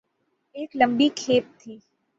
ایک لمبی کھیپ تھی۔